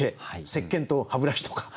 せっけんと歯ブラシとか。